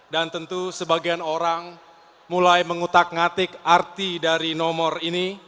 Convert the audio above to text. dan tentu sebagian orang mulai mengutak ngatik arti dari nomor ini